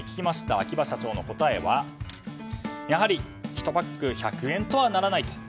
秋葉社長の答えはやはり１パック１００円とはならないと。